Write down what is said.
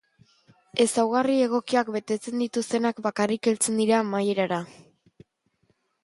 Ezaugarri egokiak betetzen dituztenak bakarrik heltzen dira amaierara.